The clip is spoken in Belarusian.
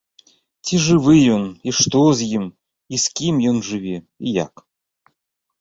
Ці жывы ён, і што з ім, і з кім ён жыве, і як.